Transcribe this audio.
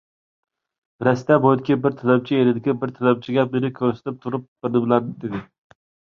رەستە بويىدىكى بىر تىلەمچى يېنىدىكى بىر تىلەمچىگە مېنى كۆرسىتىپ تۇرۇپ بىرنېمىلەرنى دېدى.